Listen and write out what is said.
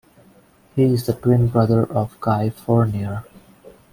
He is the twin brother of Guy Fournier.